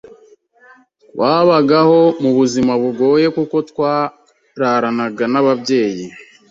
twabagaho mu buzima bugoye kuko twararanaga n’ababyeyi